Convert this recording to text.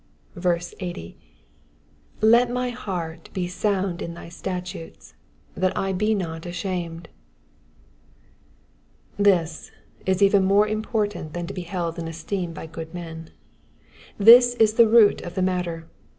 80. ''^Let my heart "be wujid in thy stattUea; that I he riot ashamed,'''* This is even more important than to be held in esteem by good men. This is the root of the matter.